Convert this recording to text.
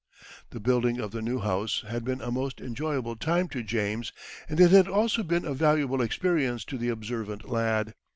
The building of the new house had been a most enjoyable time to James, and it had also been a valuable experience to the observant lad.